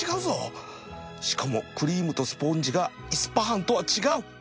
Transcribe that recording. しかもクリームとスポンジがイスパハンとは違う